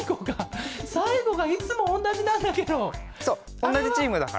おんなじチームだから。